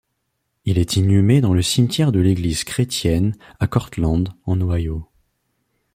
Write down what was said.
Il est inhumé dans le cimetière de l'Église chrétienne à Cortland, en Ohio.